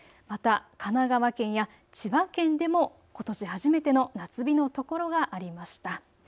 また神奈川県や千葉県でもことし初めての夏日の所がありました。